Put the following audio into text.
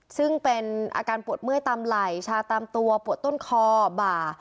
ซึ่งเป็นอาการปวดเมื่อยตามไหล่ชาตามตัวปวดต้นคอบ่า